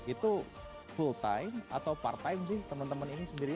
itu full time atau part time sih teman teman ini sendiri